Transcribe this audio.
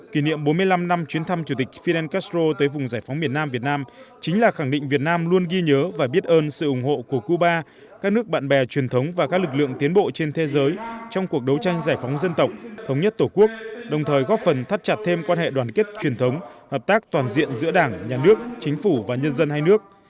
kỷ niệm bốn mươi năm năm chuyến thăm chủ tịch fidel castro tới vùng giải phóng miền nam việt nam chính là khẳng định việt nam luôn ghi nhớ và biết ơn sự ủng hộ của cuba các nước bạn bè truyền thống và các lực lượng tiến bộ trên thế giới trong cuộc đấu tranh giải phóng dân tộc thống nhất tổ quốc đồng thời góp phần thắt chặt thêm quan hệ đoàn kết truyền thống hợp tác toàn diện giữa đảng nhà nước chính phủ và nhân dân hai nước